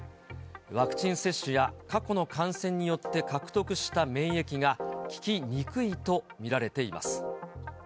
ワクチン接種や過去の感染によって獲得した免疫が、ききにくいと見られています。